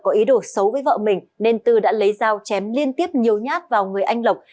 có ý đồ xấu với vợ mình nên tư đã lấy dao chém liên tiếp nhiều nhát vào người anh lộc